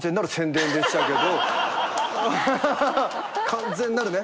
完全なるね。